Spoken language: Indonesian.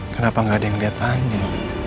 kenapa nggak ada yang lihat angin